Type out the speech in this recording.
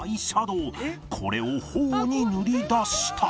これを頬に塗りだした